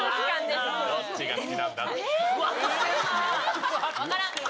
どっちが好きなんだという。